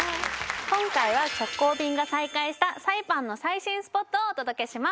今回は直行便が再開したサイパンの最新スポットをお届けします